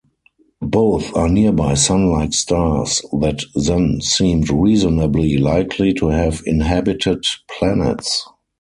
Both are nearby Sun-like stars that then seemed reasonably likely to have inhabited planets.